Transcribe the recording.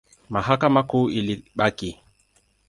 Mahakama Kuu ilibaki.